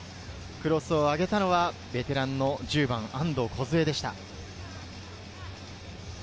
クロスを上げたのはベテラン１０番・安藤梢でした。